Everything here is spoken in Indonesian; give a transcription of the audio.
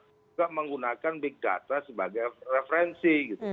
juga menggunakan big data sebagai referensi gitu